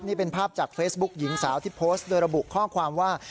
นี่เป็นภาพจากเฟซบุ๊คหญิงสาวที่โพสต์โดยระบุข้อความว่า